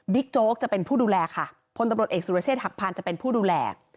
โจ๊กจะเป็นผู้ดูแลค่ะพลตำรวจเอกสุรเชษฐหักพานจะเป็นผู้ดูแล